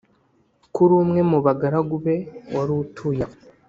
kuri umwe mu bagaragu be wari utuye aho.